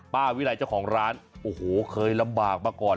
วิรัยเจ้าของร้านโอ้โหเคยลำบากมาก่อน